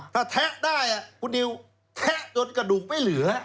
ถ้าแทะได้คุณนิวแทะจนกระดูกไม่เหลือ